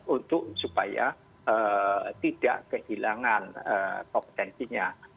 untuk supaya tidak kehilangan kompetensinya